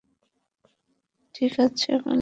ঠিকাছে, মালিক?